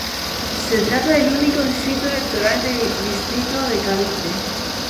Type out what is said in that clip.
Se trata del único distrito electoral de distrito de Cavite.